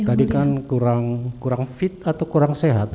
tadi kan kurang fit atau kurang sehat